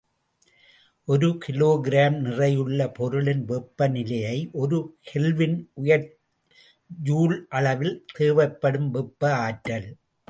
ஒரு கிலோகிராம் நிறையுள்ள பொருளின் வெப்ப நிலையை ஒரு கெல்வின் உயர்த்த ஜூல் அளவில் தேவைப்படும் வெப்ப ஆற்றல்.